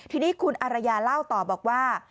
ทีนี้คุณอารยาเล่าต่อบอกว่า